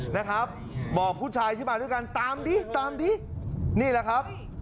นะครับบอกผู้ชายที่มาด้วยกันตามดิตามดินี่แหละครับ